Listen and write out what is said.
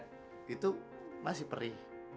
eh itu masih perih